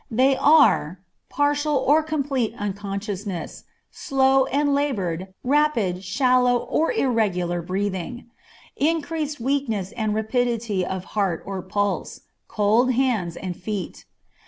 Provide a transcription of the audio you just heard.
They are: partial or complete unconsciousness, slow and labored, rapid, shallow, or irregular breathing, increased weakness and rapidity of heart or pulse, cold hands and feet.